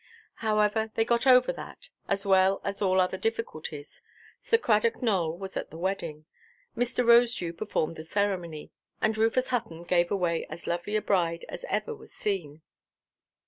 However, they got over that, as well as all other difficulties; Sir Cradock Nowell was at the wedding, Mr. Rosedew performed the ceremony, and Rufus Hutton gave away as lovely a bride as ever was seen.